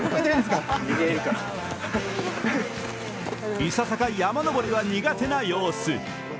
いささか山登りは苦手な様子。